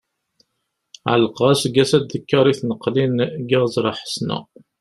Ɛelqeɣ aseggas-a dekkeṛ i tneqlin deg Iɣzeṛ Ḥesna.